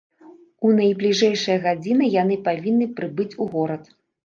У найбліжэйшыя гадзіны яны павінны прыбыць у горад.